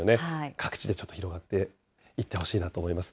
各地でちょっと広がっていってほしいなと思います。